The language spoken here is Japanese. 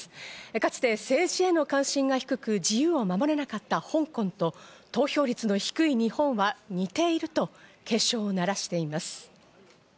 かつて政治への関心が低く自由を守れなかった香港と投票率の低い日本は似ていると警鐘を鳴らしています。